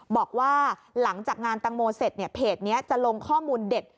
บอกว่าหลังจากงานตังโมเสร็จเพจนี้จะลงข้อมูลเด็ด